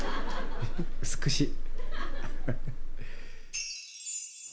美しい。